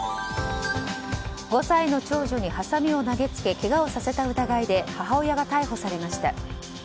５歳の長女にはさみを投げつけけがをさせた疑いで母親が逮捕されました。